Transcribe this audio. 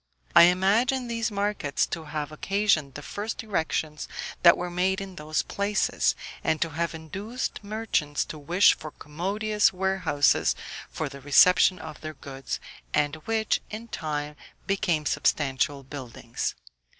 I imagine these markets to have occasioned the first erections that were made in those places, and to have induced merchants to wish for commodious warehouses for the reception of their goods, and which, in time, became substantial buildings.